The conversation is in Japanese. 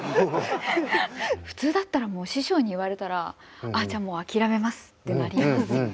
普通だったらもう師匠に言われたらああじゃあもう諦めますってなりますよね。